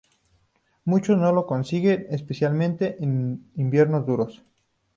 Muchos no lo consiguen, especialmente en inviernos duros.